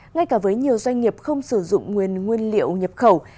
ngay cả với nhiều doanh nghiệp không sử dụng nguyên liệu nhập khẩu